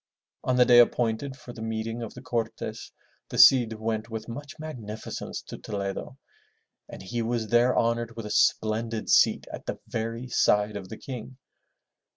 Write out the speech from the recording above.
On the day appointed for the meeting of the Cortes, the Cid went with much magnificence to Toledo, and he was there honored with a splendid seat at the very side of the King.